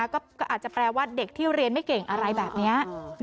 ก็อาจจะแปลว่าเด็กที่เรียนไม่เก่งอะไรแบบนี้